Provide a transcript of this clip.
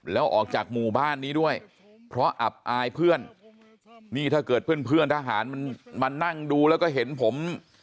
แล้วออกจากหมู่บ้านนี้ด้วยเพราะอับอายเพื่อนนี่ถ้าเกิดเพื่อนเพื่อนทหารมันมานั่งดูแล้วก็เห็นผม